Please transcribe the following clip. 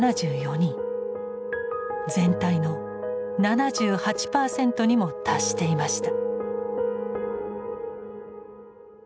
全体の７８％にも達していました。